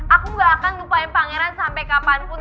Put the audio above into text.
aku gak akan lupain pangeran sampai kapanpun